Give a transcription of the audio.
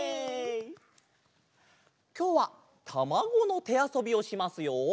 きょうはたまごのてあそびをしますよ。